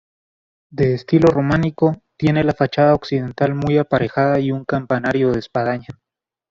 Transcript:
De estilo románico, tiene la fachada occidental muy aparejada y un campanario de espadaña.